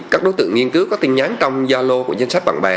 các đối tượng nghiên cứu có tin nhắn trong zalo của danh sách bạn bè